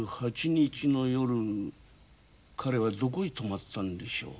２８日の夜彼はどこへ泊まったんでしょう。